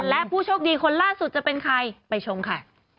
และผู้โชคดีคนล่าสุดจะเป็นใครไปชมค่ะ